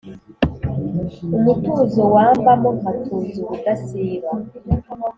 Umutuzo wambamo nkatuza ubudasiba